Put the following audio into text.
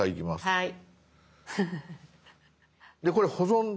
はい。